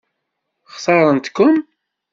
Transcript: Xtaṛent-kem?